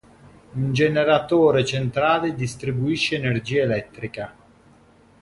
Un generatore centrale distribuisce energia elettrica.